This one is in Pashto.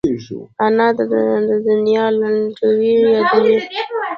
انا د دنیا لنډون یادوي